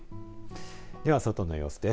では外の様子です。